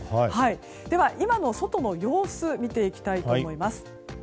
では今の外の様子見ていきたいと思います。